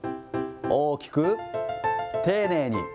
大きく丁寧に。